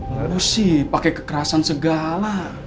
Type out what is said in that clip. lalu sih pakai kekerasan segala